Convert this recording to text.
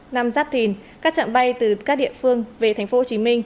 năm giáp thìn các trạng bay từ các địa phương về tp hcm